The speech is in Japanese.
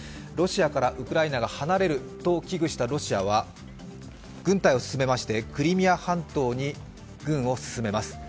ロシアからウクライナが離れると危惧したロシアは軍隊を進めまして、クリミア半島に軍を進めます。